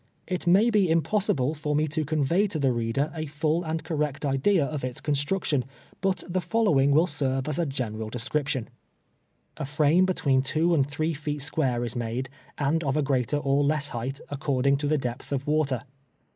It nuiy be impossible for me to convey to the reader a lull and correct idea of its construction, but the following will serve as a gen eral description : A frame between two and three feet square is made, and of a greater or less height, according to the depth of water.